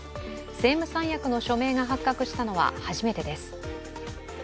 政務三役の署名が発覚したのは初めてです。